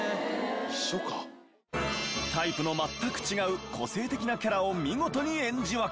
タイプの全く違う個性的なキャラを見事に演じ分け。